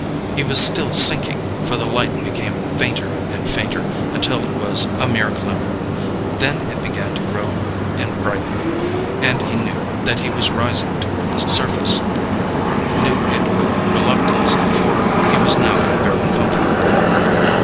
He was still sinking, for the light became fainter and fainter until it was a mere glimmer. Then it began to grow and brighten, and he knew that he was rising toward the surface knew it with reluctance, for he was now very comfortable.